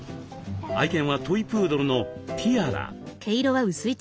愛犬はトイプードルのティアラ。